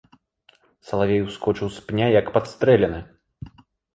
Салавей ускочыў з пня, як падстрэлены.